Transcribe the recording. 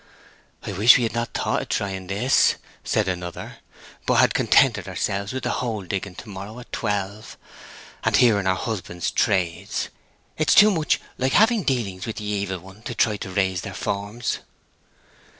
"I wish we had not thought of trying this," said another, "but had contented ourselves with the hole digging to morrow at twelve, and hearing our husbands' trades. It is too much like having dealings with the Evil One to try to raise their forms."